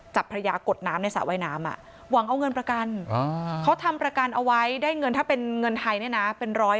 ภรรยากดน้ำในสระว่ายน้ำหวังเอาเงินประกันเขาทำประกันเอาไว้ได้เงินถ้าเป็นเงินไทยเนี่ยนะ